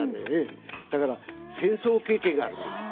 だから戦争経験があるんですよ